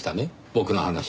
僕の話。